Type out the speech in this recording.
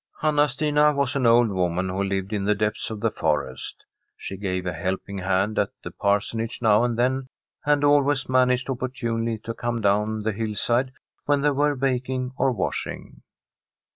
AxxA SnxA was an old woman who lived in tbe dcpdis <rf the forest. She gave a helping hand «t die Pirsooage now and then, and always zaanaged opportimely to come down the hillside vbea they were baking or washing.